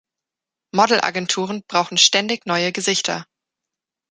Modelagenturen brauchen ständig neue Gesichter.